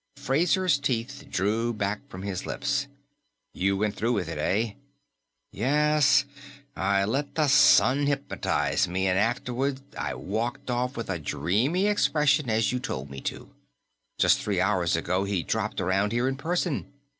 Fraser's teeth drew back from his lips. "You went through with it, eh?" "Yes. I let the son hypnotize me, and afterward I walked off with a dreamy expression, as you told me to. Just three hours ago, he dropped around here in person.